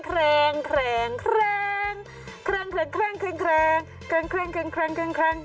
แครงแคร่ง